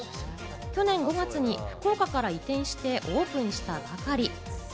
去年５月に福岡から移転してオープンしたばかり。